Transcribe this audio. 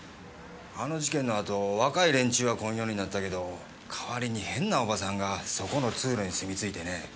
あの事件の後若い連中は来んようになったけど代わりに変なオバサンがそこの通路に住みついてねぇ。